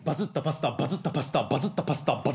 バズったパスタバズったパスタ。